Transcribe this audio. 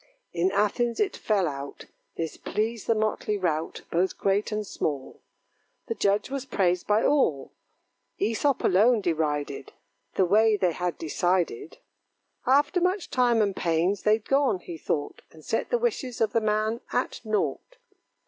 In Athens it fell out, This pleased the motley rout, Both great and small. The judge was praised by all; Æsop alone derided The way they had decided. After much time and pains, they'd gone, he thought, And set the wishes of the man at nought.